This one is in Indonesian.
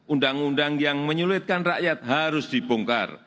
undang undang yang menyulitkan rakyat harus dibongkar